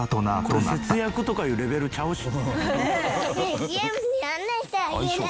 「これ節約とかいうレベルちゃうし」